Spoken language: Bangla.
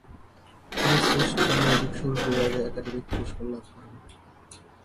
তিনি শ্রেষ্ঠ মৌলিক সুর বিভাগে একাডেমি পুরস্কার লাভ করেন।